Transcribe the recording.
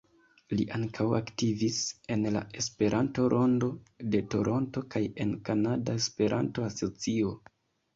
Li ankaŭ aktivis en la Esperanto-Rondo de Toronto kaj en Kanada Esperanto-Asocio.